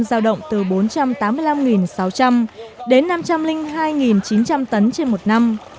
giao động từ bốn trăm tám mươi năm sáu trăm linh đến năm trăm linh hai chín trăm linh tấn trên một năm